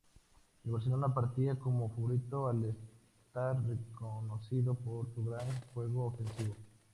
El Barcelona partía como favorito al estar reconocido por su gran juego ofensivo.